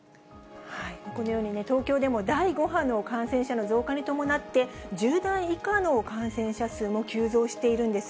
このように、東京でも第５波の感染者の増加に伴って、１０代以下の感染者数も急増しているんです。